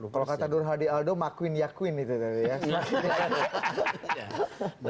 kalau kata durhadi aldo makuin yakuin itu tadi ya